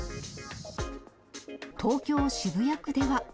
東京・渋谷区では。